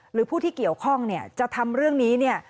หรือผู้ที่เกี่ยวข้องจะทำเรื่องนี้